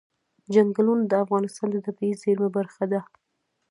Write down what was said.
چنګلونه د افغانستان د طبیعي زیرمو برخه ده.